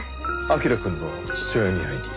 彬くんの父親に会いに。